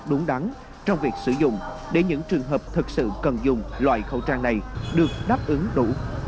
đúng đắn trong việc sử dụng để những trường hợp thực sự cần dùng loại khẩu trang này được đáp ứng đủ